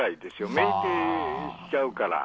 酩酊しちゃうから。